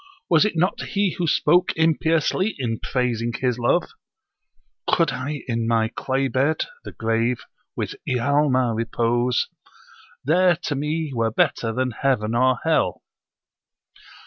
Was it not he who spoke impiously [in praising his love]? 'Could I in my clay bed [the grave] with Ialma repose, There to me were better than Heaven or Hell!'